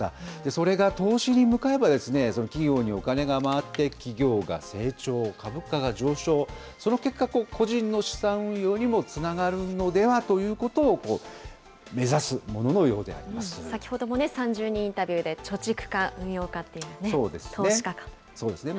それが投資に向かえば、企業にお金が回って、企業が成長、株価が上昇、その結果、個人の資産運用にもつながるのではということを目指すもののよう先ほどもね、３０人インタビューで、貯蓄か運用かっていうのをね。